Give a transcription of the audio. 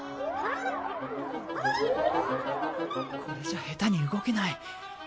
これじゃ下手に動けない。